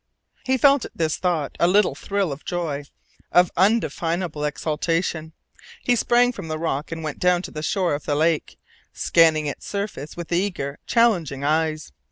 He felt at this thought a little thrill of joy, of undefinable exultation. He sprang from the rock and went down to the shore of the lake, scanning its surface with eager, challenging eyes.